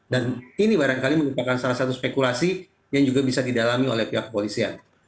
dan ini barangkali menyebabkan salah satu spekulasi yang juga bisa didalami oleh pihak kepolisian